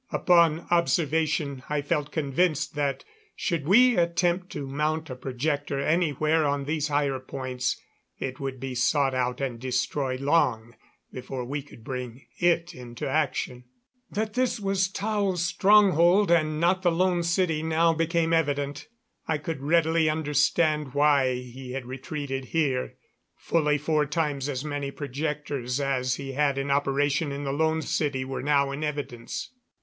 Upon observation I felt convinced that should we attempt to mount a projector anywhere on these higher points it would be sought out and destroyed long before we could bring it into action. That this was Tao's stronghold, and not the Lone City, now became evident. I could readily understand why he had retreated here. Fully four times as many projectors as he had in operation in the Lone City were now in evidence.